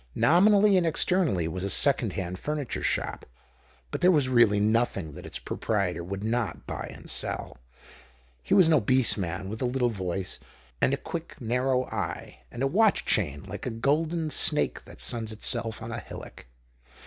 Nominally and externally it was a second hand furniture shop, but there was really nothing that its proprietor would not buy and sell. He was an obese man, with a little voice, and a quick, narrow eye, and a w^atch chain like a golden snake that suns itself on a hillock.